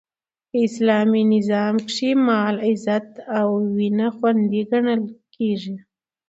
په اسلامي نظام کښي مال، عزت او وینه خوندي ګڼل کیږي.